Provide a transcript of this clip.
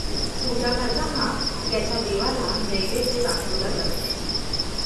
पूजा करताना याचा देवाला नैवेद्य दाखवला जातो.